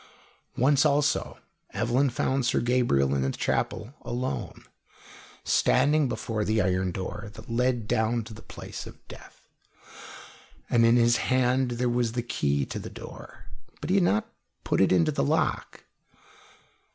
Once, also, Evelyn found Sir Gabriel in the chapel alone, standing before the iron door that led down to the place of death, and in his hand there was the key to the door; but he had not put it into the lock.